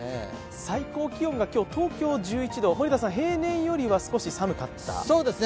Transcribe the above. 最高気温が今日、東京１１度、平年よりは少し寒かった？